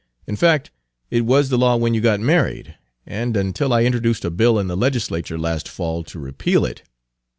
In fact, it was the law when you got married, and until I introduced a bill in the legislature last fall to repeal it.